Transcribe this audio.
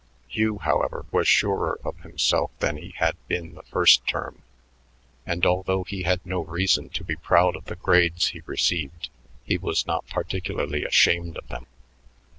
Hugh, however, was surer of himself than he had been the first term, and although he had no reason to be proud of the grades he received, he was not particularly ashamed of them.